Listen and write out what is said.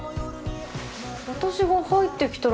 私が入ってきたら